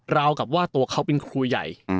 กับว่าตัวเขาเป็นครูใหญ่